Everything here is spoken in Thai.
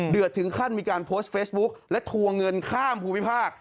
ถึงขั้นมีการโพสต์เฟซบุ๊คและทวงเงินข้ามภูมิภาค